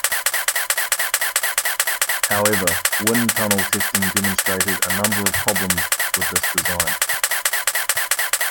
However, wind tunnel testing demonstrated a number of problems with this design.